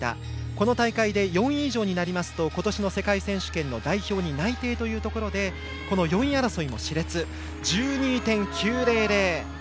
この大会で４位以上になりますと今年の世界選手権の代表に内定というところで４位争いも、しれつ。１２．９００。